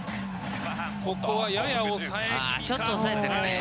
ここは、やや抑え。